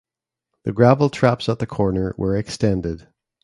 The gravel traps at the corner were extended.